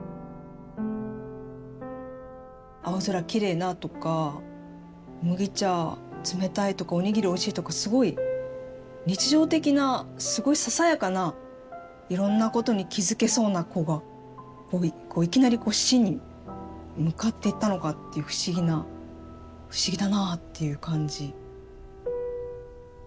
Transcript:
青空きれいなとか麦茶冷たいとかおにぎりおいしいとかすごい日常的なすごいささやかないろんなことに気付けそうな子がいきなりこう死に向かっていったのかっていう不思議な不思議だなぁっていう感じ。